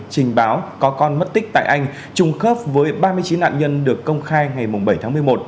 trình báo có con mất tích tại anh trùng khớp với ba mươi chín nạn nhân được công khai ngày bảy tháng một mươi một